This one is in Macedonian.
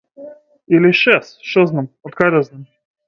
Или шес, шо знам, откај да знам.